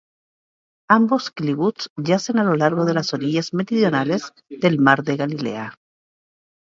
Ambos kibutz yacen a lo largo de las orillas meridionales del mar de Galilea.